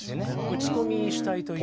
打ち込み主体というか。